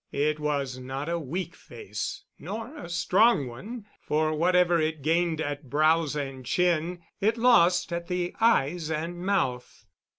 It was not a weak face, nor a strong one, for whatever it gained at brows and chin it lost at the eyes and mouth.